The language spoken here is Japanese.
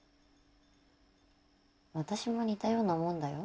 私も似たようなもんだよ